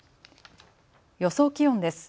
予想気温です。